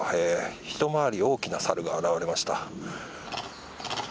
ひと回り大きなサルが現れました。